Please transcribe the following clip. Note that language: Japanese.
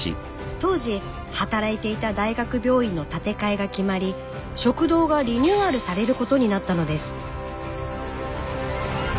当時働いていた大学病院の建て替えが決まり食堂がリニューアルされることになったのです。